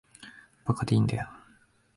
馬鹿でいいんだよ。